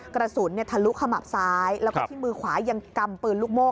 กระสุนทะลุขมับซ้ายแล้วก็ที่มือขวายังกำปืนลูกโม่